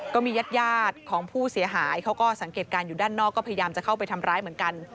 ก็มีญาติยาดของผู้เสียหายเขาก็สังเกตการณ์อยู่ด้านนอกก็พยายามจะเข้าไปทำร้ายเหมือนกัน